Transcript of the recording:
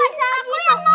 aku yang mau pake